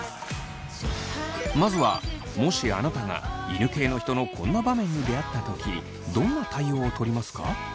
まずはもしあなたが犬系の人のこんな場面に出会った時どんな対応をとりますか？